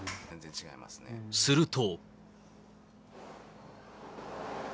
すると。